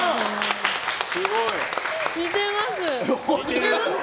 似てます！